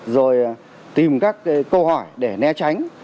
rồi tìm các câu hỏi để né tránh